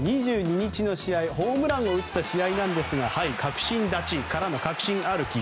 ２２日の試合ホームランを打った試合なんですが確信立ちからの確信歩き。